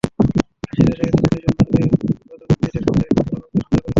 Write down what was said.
আশির দশকে তাঁদের দুই সন্তানের জন্মও ব্রিটিশদের মধ্যে অফুরান আনন্দের সঞ্চার করেছিল।